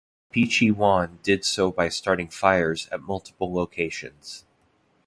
Pichi Juan did so by starting fires at multiple locations.